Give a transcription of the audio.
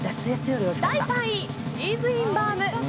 第３位、チーズインバウム。